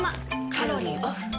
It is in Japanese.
カロリーオフ。